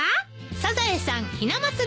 『サザエさん』ひな祭り